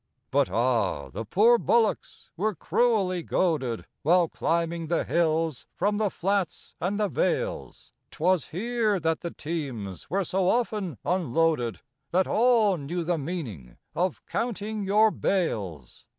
But, ah! the poor bullocks were cruelly goaded While climbing the hills from the flats and the vales; 'Twas here that the teams were so often unloaded That all knew the meaning of 'counting your bales.